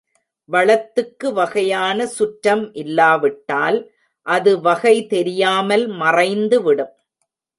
வளத்துக்கு வகையான சுற்றம் இல்லா விட்டால் அது வகைதெரியாமல் மறைந்துவிடும்.